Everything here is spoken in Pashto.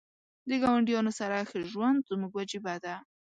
د ګاونډیانو سره ښه ژوند زموږ وجیبه ده .